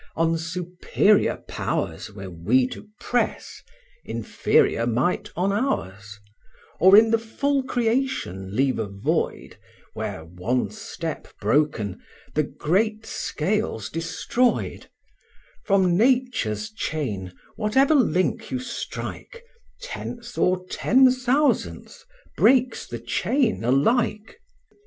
On superior powers Were we to press, inferior might on ours: Or in the full creation leave a void, Where, one step broken, the great scale's destroyed: From Nature's chain whatever link you strike, Tenth or ten thousandth, breaks the chain alike.